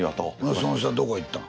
その人はどこ行ったん？